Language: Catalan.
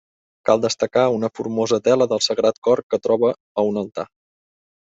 Cal destacar una formosa tela del sagrat Cor que troba a un altar.